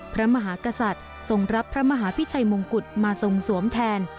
พระมหากษัตริย์ทรงรับพระมหาพิชัยมงกุฎมาทรงสวมแทน